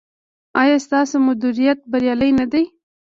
ایا ستاسو مدیریت بریالی نه دی؟